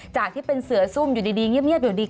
จากที่เป็นเสือซุ่มอยู่ดีเงียบอยู่ดี